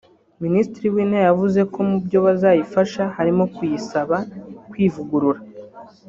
Minisitiri w’intebe yavuze ko mu byo bazayifasha harimo kuyisaba kwivugurura